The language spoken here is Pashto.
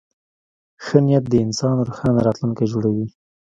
ښه نیت د انسان روښانه راتلونکی جوړوي.